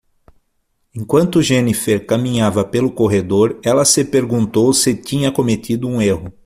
Enquanto Jennifer caminhava pelo corredor, ela se perguntou se tinha cometido um erro.